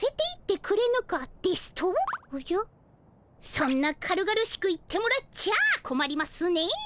そんな軽々しく言ってもらっちゃあこまりますね。